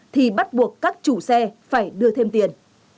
thì bắt buộc các chủ xe phải đưa thêm tiền